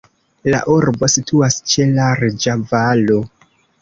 La urbo situas ĉe larĝa valo.